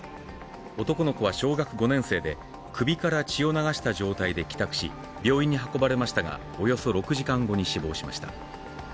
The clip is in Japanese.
男の子は小学５年生で首から血を流した状態で帰宅し、病院に運ばれましたが、およそ６時間後に死亡しました。